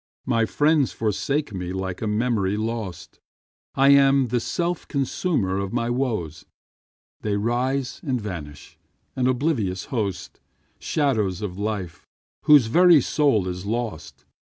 My friends forsake me like a memory lost. I am the self consumer of my woes; They rise and vanish, an oblivious host, Shadows of life, whose very soul is lost.